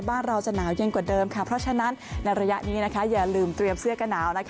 บ้านเราจะหนาวเย็นกว่าเดิมค่ะเพราะฉะนั้นในระยะนี้อย่าลืมเตรียมเสื้อกระหนาว